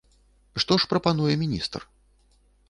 Што ж прапануе міністр?